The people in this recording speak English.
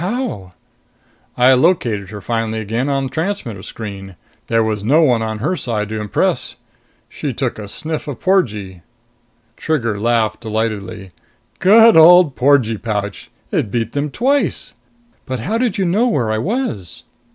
"How?" "I located her finally again, on transmitter screen. There was no one on her side to impress. She took a sniff of porgee." Trigger laughed delightedly. "Good old porgee pouch! It beat them twice. But how did you know where I was?"